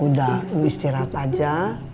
udah lu istirahat aja